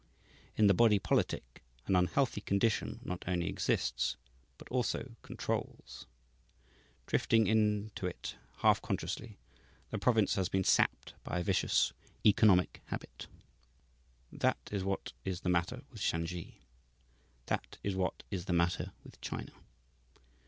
In the body politic an unhealthy condition not only exists, but also controls. Drifting into it half consciously, the province has been sapped by a vicious economic habit. That is what is the matter with Shansi. That is what is the matter with China.